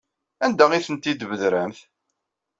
Anda ay tent-id-tbedremt?